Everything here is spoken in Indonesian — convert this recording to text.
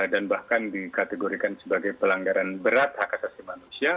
dan bahkan dikategorikan sebagai pelanggaran berat hak asasi manusia